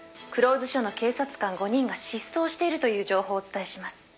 黒水署の警察官５人が失踪しているという情報をお伝えします」